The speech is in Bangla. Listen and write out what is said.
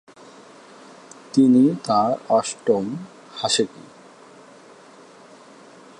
তিনি তাঁর অষ্টম হাসেকি।